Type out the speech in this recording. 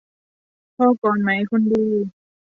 พอก่อนไหมคนดี